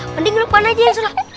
mending lukman aja yang sulap